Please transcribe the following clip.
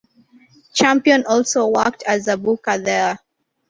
Champion also worked as a booker there.